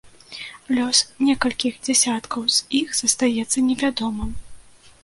Лёс некалькіх дзясяткаў з іх застаецца невядомым.